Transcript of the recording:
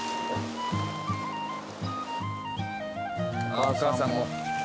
あっお母さんも。